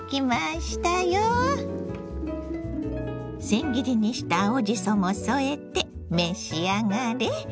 せん切りにした青じそも添えて召し上がれ。